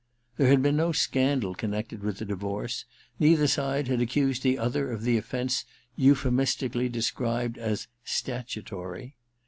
There had been no scandal connected with the divorce : neither side had accused the other of the ofFence euphemistically described as * statutory.'